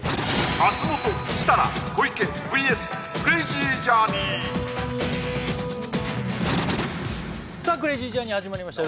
松本設楽小池ＶＳクレイジージャーニーさあクレイジージャーニー始まりました